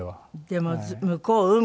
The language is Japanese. でも向こう海？